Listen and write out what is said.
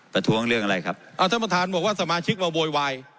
ประท้วงเรื่องอะไรครับเอาท่านประธานบอกว่าสมาชิกมาโวยวาย